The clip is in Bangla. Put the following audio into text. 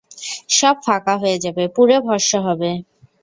সব ফাঁকা হয়ে যাবে, পুড়ে ভস্ম হবে।